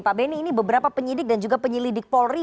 pak benny ini beberapa penyidik dan juga penyelidik polri